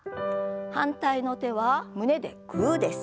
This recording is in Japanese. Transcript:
反対の手は胸でグーです。